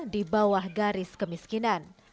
di bawah garis kemiskinan